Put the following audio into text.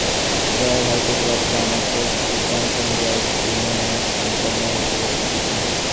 Dreyer has developed an approach to quantum gravity known as "internal relativity".